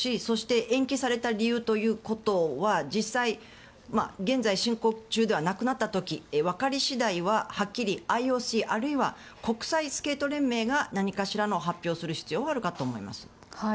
そして延期された理由ということは実際、現在進行中ではなくなった時、分かり次第はっきりＩＯＣあるいは国際スケート連盟が何かしらの発表をする必要があるかと思います。